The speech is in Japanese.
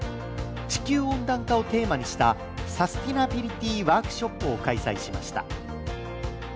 地球温暖化をテーマにしたサスティナビリティワークショップを開催しました。